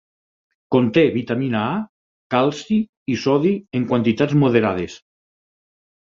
Conté vitamina A, calci i sodi en quantitats moderades.